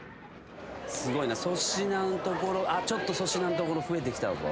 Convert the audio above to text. すごいな粗品の所ちょっと粗品の所増えてきたぞ。